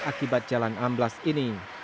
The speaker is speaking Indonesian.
akibat jalan amblas ini